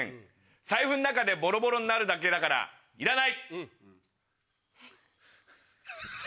財布の中でボロボロになるだけだからいらない。